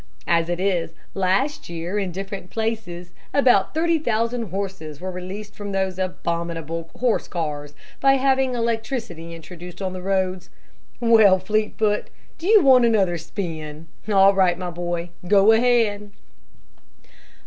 As it is, last year in different places, about thirty thousand horses were released from those abominable horse cars, by having electricity introduced on the roads. Well, Fleetfoot, do you want another spin? All right, my boy, go ahead."